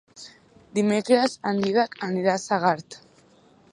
Dimecres en Dídac anirà a Segart.